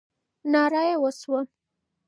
ناره یې وسوه.